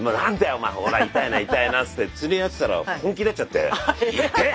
お前ほら痛いな痛いな」っつってつねあってたら本気になっちゃって。